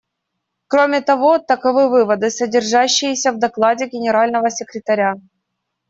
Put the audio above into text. Кроме того, таковы выводы, содержащиеся в докладе Генерального секретаря.